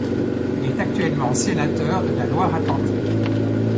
Il est actuellement sénateur de la Loire-Atlantique.